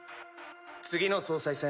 次の総裁選